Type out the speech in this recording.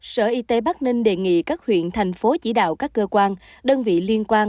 sở y tế bắc ninh đề nghị các huyện thành phố chỉ đạo các cơ quan đơn vị liên quan